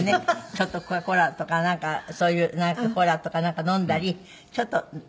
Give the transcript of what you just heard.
ちょっとコーラとかなんかそういうコーラとかなんか飲んだりちょっと飲んだりして。